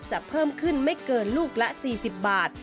เพิ่มขึ้นไม่เกินลูกละ๔๐บาท